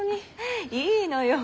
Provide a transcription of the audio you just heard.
いいのよ。